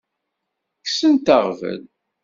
Kksent aɣbel.